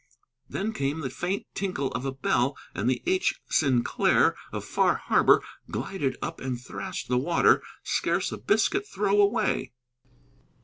Then came the faint tinkle of a bell, and the H Sinclair, of Far Harbor, glided up and thrashed the water scarce a biscuit throw away.